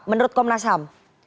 menurut komnas ham